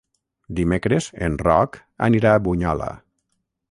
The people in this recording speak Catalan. Dimecres en Roc anirà a Bunyola.